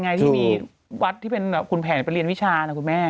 ไงที่มีวัดที่เป็นคุณแผนไปเรียนวิชานะคุณแม่